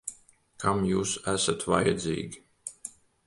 Kam jūs esat vajadzīgi?